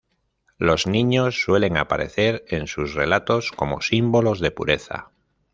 Los niños suelen aparecer en sus relatos como símbolos de pureza.